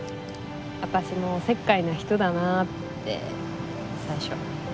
私もおせっかいな人だなあって最初。